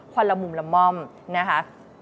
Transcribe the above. ควันละมุมละม่อมนะคะ